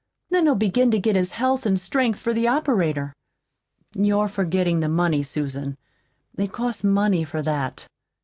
Then he'll begin to get his health an' strength for the operator." "You're forgetting the money, Susan. It costs money for that."